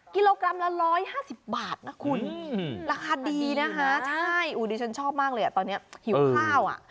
กิโลกรัมละ๑๕๐บาทนะคุณราคาดีนะคะใช่ดิฉันชอบมากเลยอ่ะตอนนี้หิวข้าวอ่ะ